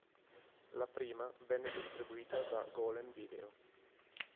La prima venne distribuita da Golem Video.